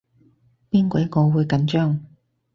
邊鬼個會緊張